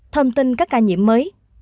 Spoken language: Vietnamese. thông tin các ca nhiễm mới